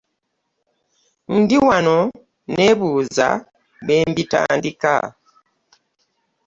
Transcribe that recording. Ndi wano nneebuuza bwe mbitandika.